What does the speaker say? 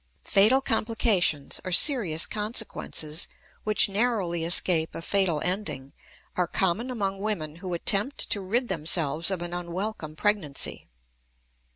Fatal complications, or serious consequences which narrowly escape a fatal ending, are common among women who attempt to rid themselves of an unwelcome pregnancy.